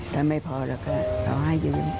ถ้าไม่พอเราก็เอาให้ยืม